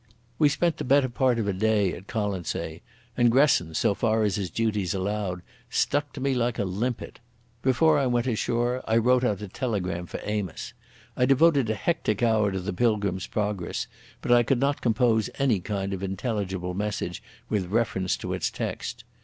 We spent the better part of a day at Colonsay, and Gresson, so far as his duties allowed, stuck to me like a limpet. Before I went ashore I wrote out a telegram for Amos. I devoted a hectic hour to the Pilgrim's Progress, but I could not compose any kind of intelligible message with reference to its text.